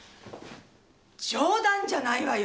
冗談じゃないわよ！